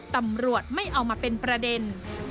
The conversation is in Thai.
ตำรวจไม่เอามาเป็นประเด็น